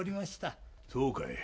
そうかい。